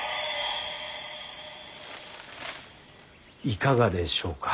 いかがでしょうか。